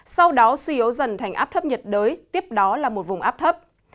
sau đó suy yếu dần thành áp thấp nhiệt đới tiếp đó là một vùng áp thấp